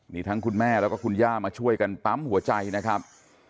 นี่ทั้งคุณแม่แล้วก็คุณย่ามาช่วยกันปั๊มหัวใจนะครับ